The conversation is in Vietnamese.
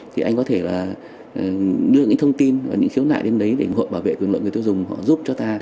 thì anh có thể là đưa những thông tin và những khiếu nại đến đấy để ủng hộ bảo vệ quyền lợi người tiêu dùng họ giúp cho ta